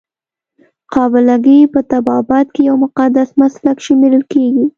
قابله ګي په طبابت کې یو مقدس مسلک شمیرل کیږي.